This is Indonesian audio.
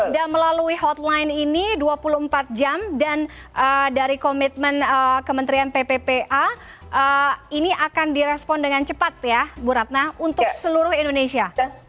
dan melalui hotline ini dua puluh empat jam dan dari komitmen kementerian pppa ini akan direspon dengan cepat ya bu ratna untuk seluruh indonesia